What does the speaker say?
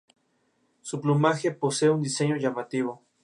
Los capítulos se organizan en inflorescencias corimbosas, rara vez solitarias.